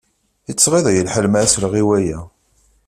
Yettɣiḍ-iyi lḥal mi ara sleɣ i waya.